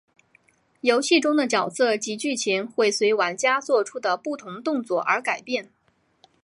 游戏中的角色及剧情会随玩家作出的不同动作而改变。